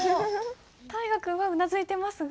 大河君はうなずいてますが。